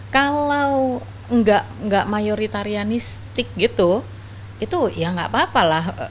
kalau gak mayoritarianistik gitu ya gak apa apa lah